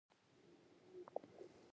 زرګر په کار اخته شو او دی ورته ناست دی.